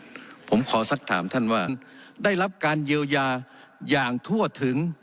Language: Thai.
ผมขอสักถามท่านว่าได้รับการเยียวยาอย่างทั่วถึง